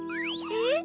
えっ？